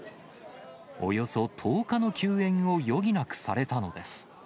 およそ１０日の休演を余儀なくされたのです。